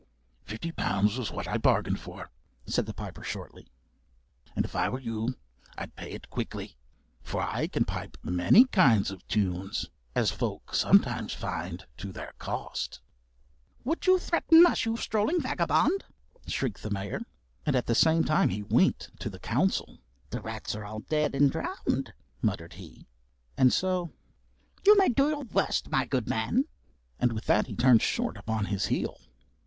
"Fifty pounds was what I bargained for," said the piper shortly; "and if I were you I'd pay it quickly. For I can pipe many kinds of tunes, as folk sometimes find to their cost." "Would you threaten us, you strolling vagabond?" shrieked the Mayor, and at the same time he winked to the Council; "the rats are all dead and drowned," muttered he; and so "You may do your worst, my good man," and with that he turned short upon his heel.